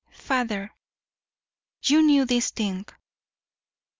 "Father, you knew this thing!"